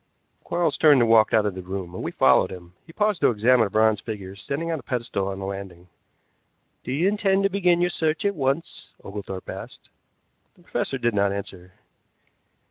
Quarles turned and walked out of the room, and we followed him. He paused to examine a bronze figure standing on a pedestal on the landing. "Do you intend to begin your search at once?" Oglethorpe asked. The professor did not answer.